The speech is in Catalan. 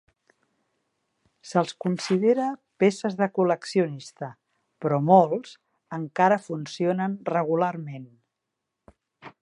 Se'ls considera peces de col·leccionista, però molts encara funcionen regularment.